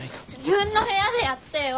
自分の部屋でやってよ。